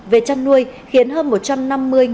về chăn nuôi khiến hơn một trăm năm mươi người